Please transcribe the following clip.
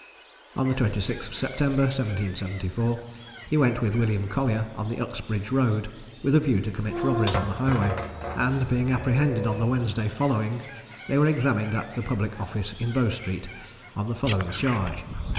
On the 26th of September, 1774, he went with William Collier on the Uxbridge road, with a view to commit robberies on the highway; and being apprehended on the Wednesday following, they were examined at the public office in Bow street on the following charge.